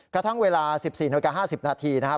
กระทั่งเวลา๑๔นาฬิกา๕๐นาทีนะครับ